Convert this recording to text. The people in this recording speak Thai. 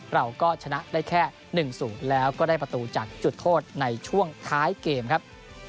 เราก็ชนะได้แค่๑๐แล้วก็ได้ประตูจากจุดโทษในช่วงท้ายเกมครับ